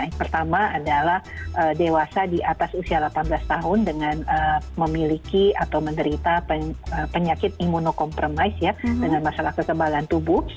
yang pertama adalah dewasa di atas usia delapan belas tahun dengan memiliki atau menderita penyakit imunokompromize ya dengan masalah kekebalan tubuh